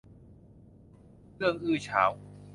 เรื่องอื้อฉาว